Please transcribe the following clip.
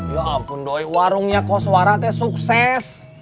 ya ampun doi warungnya pak suara teh sukses